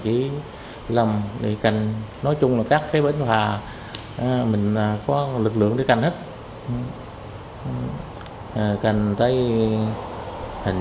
đồng làm đi cành nói chung là các cái bệnh hòa mình là có lực lượng lấy cành hết càng thấy hình